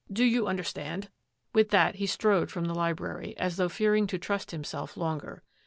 Do you understand? " With that he strode from the library, as though fearing to trust himself longer.